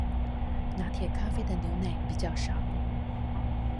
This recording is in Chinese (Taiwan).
拿鐵咖啡的牛奶比較少